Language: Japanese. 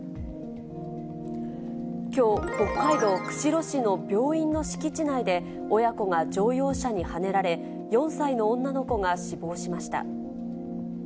きょう、北海道釧路市の病院の敷地内で、親子が乗用車にはねられ、４歳の女の子が死亡しました。